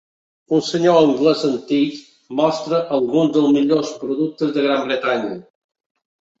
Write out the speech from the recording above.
Un senyor anglès antic mostra alguns dels millors productes de Gran Bretanya.